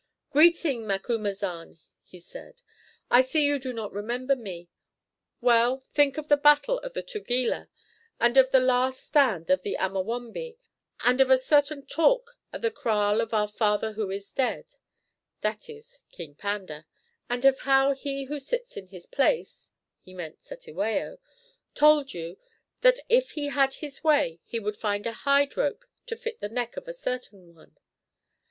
"Greeting, Macumazahn," he said. "I see you do not remember me. Well, think of the battle of the Tugela, and of the last stand of the Amawombe, and of a certain talk at the kraal of our Father who is dead" (that is, King Panda), "and of how he who sits in his place" (he meant Cetewayo) "told you that if he had his way he would find a hide rope to fit the neck of a certain one."